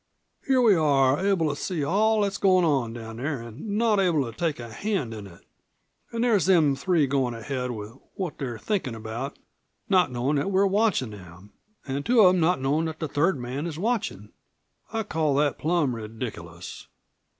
Here we are, able to see all that's goin' on down there an' not able to take a hand in it. An' there's them three goin' ahead with what they're thinkin' about, not knowin' that we're watchin' them, an' two of them not knowin' that the third man is watchin'. I'd call that plum re diculous."